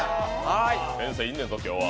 先生、いんねんぞ、今日は。